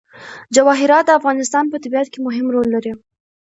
جواهرات د افغانستان په طبیعت کې مهم رول لري.